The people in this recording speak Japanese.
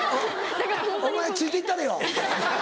お前ついて行ったれよ。